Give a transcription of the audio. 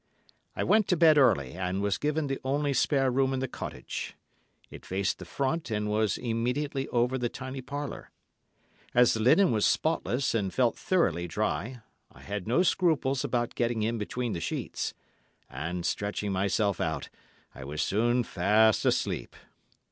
I went to bed early and was given the only spare room in the cottage. It faced the front and was immediately over the tiny parlour. As the linen was spotless and felt thoroughly dry, I had no scruples about getting in between the sheets, and, stretching myself out, I was soon fast asleep.